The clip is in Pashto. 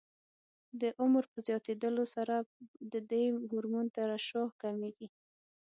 د عمر په زیاتېدلو سره د دې هورمون ترشح کمېږي.